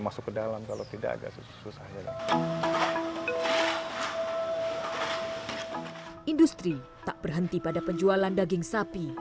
masuk ke dalam kalau tidak ada susah industri tak berhenti pada penjualan daging sapi